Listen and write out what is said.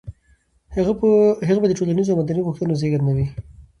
هغه به د ټولنيزو او مدني غوښتنو زېږنده وي.